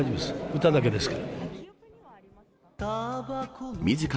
歌だけですから。